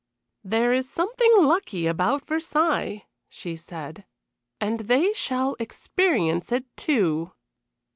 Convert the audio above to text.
"There is something lucky about Versailles," she said, "and they shall experience it, too!"